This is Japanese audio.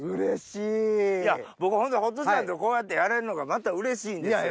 いや僕ホントホトちゃんとこうやってやれるのがまたうれしいんですよ。